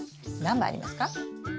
何枚ありますか？